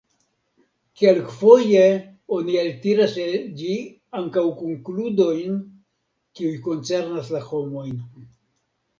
Kelkfoje oni eltiras el ĝi ankaŭ konkludojn, kiuj koncernas la homojn.